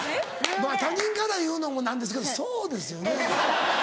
まぁ他人から言うのも何ですけどそうですよね。